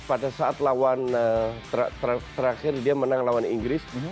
pada saat lawan terakhir dia menang lawan inggris